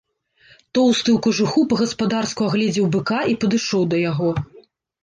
Тоўсты ў кажуху па-гаспадарску агледзеў быка і падышоў да яго.